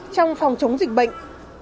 trong phòng chống dịch bệnh